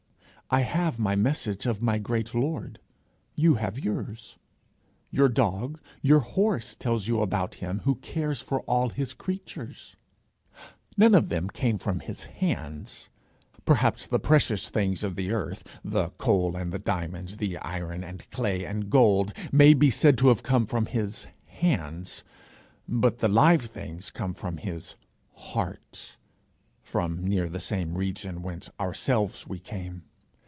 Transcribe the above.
I have my message of my great Lord, you have yours. Your dog, your horse tells you about him who cares for all his creatures. None of them came from his hands. Perhaps the precious things of the earth, the coal and the diamonds, the iron and clay and gold, may be said to have come from his hands; but the live things come from his heart from near the same region whence ourselves we came.